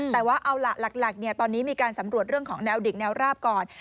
แต่ว่าเอาล่ะหลักตอนนี้มีการสำรวจเรื่องของแนวดิกแนวราบก่อน